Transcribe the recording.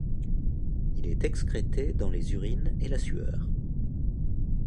Il est excrété dans les urines et la sueur.